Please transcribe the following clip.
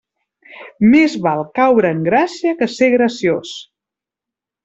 Més val caure en gràcia que ser graciós.